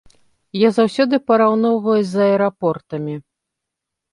Я заўсёды параўноўваю з аэрапортамі.